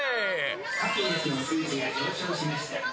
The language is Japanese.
ハピネスの数値が上昇しました